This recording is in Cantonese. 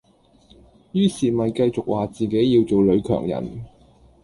於是咪繼續話自己要做女強人